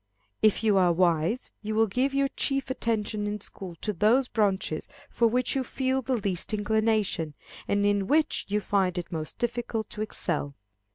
If you are wise, you will give your chief attention in school to those branches for which you feel the least inclination, and in which you find it most difficult to excel.